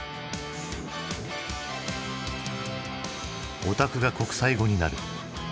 「オタク」が国際語になる。